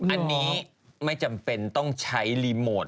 อันนี้ไม่จำเป็นต้องใช้รีโมท